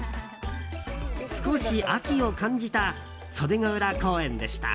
少し秋を感じた袖ケ浦公園でした。